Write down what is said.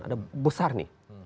ada besar nih